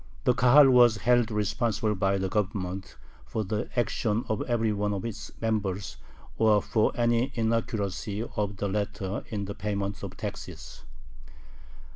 The Kahal was held responsible by the Government for the action of every one of its members or for any inaccuracy of the latter in the payment of taxes.